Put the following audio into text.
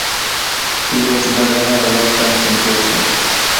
پیلوټ باید هره ورځ ځان چمتو وساتي.